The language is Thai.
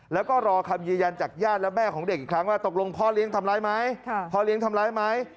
แล้วก็รอคำยืนยันจากญาติและแม่ของเด็กอีกครั้งว่าตกลงพ่อเลี้ยงทำร้ายไหม